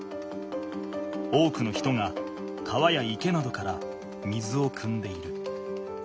多くの人が川や池などから水をくんでいる。